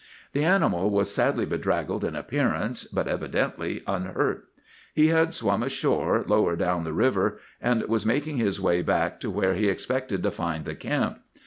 The animal was sadly bedraggled in appearance, but evidently unhurt. He had swum ashore lower down the river, and was making his way back to where he expected to find the camp.